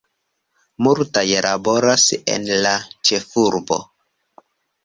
Multaj laboras en la ĉefurbo.